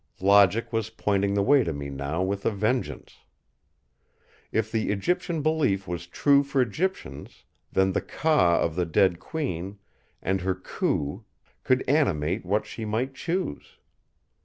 Logic was pointing the way to me now with a vengeance! If the Egyptian belief was true for Egyptians, then the "Ka" of the dead Queen and her "Khu" could animate what she might choose.